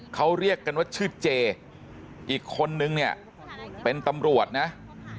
เขาเรียกกันว่าชื่อเจอีกคนนึงเนี่ยเป็นตำรวจนะ